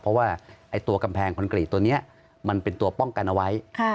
เพราะว่าตัวกำแพงคอนกรีตตัวนี้มันเป็นตัวป้องกันเอาไว้